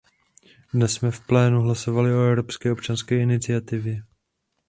Dnes jsme v plénu hlasovali o evropské občanské iniciativě.